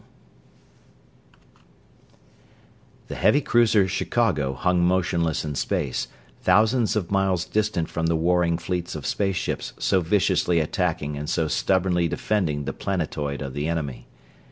] The heavy cruiser Chicago hung motionless in space, thousands of miles distant from the warring fleets of space ships so viciously attacking and so stubbornly defending the planetoid of the enemy.